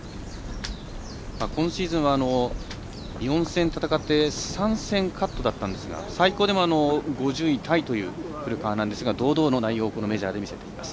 今シーズンは４戦戦って３戦カットだったんですが最高でも５０位タイという古川ですが堂々とした内容をこのメジャーで見せています。